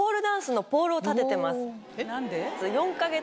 何で？